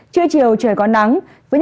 trưa chiều trời có nắng